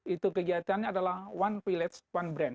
itu kegiatannya adalah one village one brand